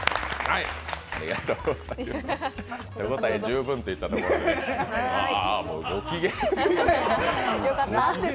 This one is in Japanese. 手応え十分といったところで。